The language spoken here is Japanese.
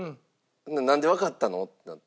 なんでわかったの？ってなって。